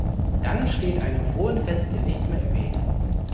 Dann steht einem frohen Fest ja nichts mehr im Weg.